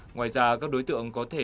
ngoài ra các đối tượng có thể